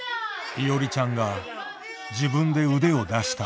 いおりちゃんが自分で腕を出した。